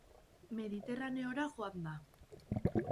Mediterraneora joan da.